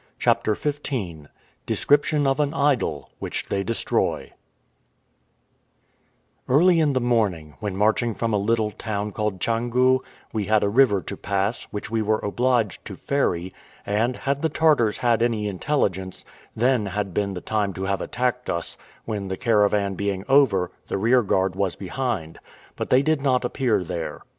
CHAPTER XV DESCRIPTION OF AN IDOL, WHICH THEY DESTROY Early in the morning, when marching from a little town called Changu, we had a river to pass, which we were obliged to ferry; and, had the Tartars had any intelligence, then had been the time to have attacked us, when the caravan being over, the rear guard was behind; but they did not appear there.